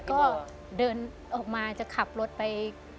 ก็เดินออกมาจะขับรถไป